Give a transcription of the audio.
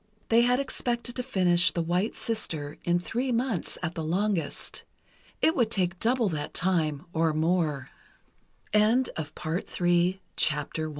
They had expected to finish the "White Sister" in three months, at the longest. It would take double that time, or more. II "THE WHITE SISTER" The story of